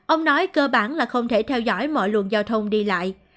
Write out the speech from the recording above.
ông nói cơ bản là không thể theo dõi mọi luồng giao thông đi lại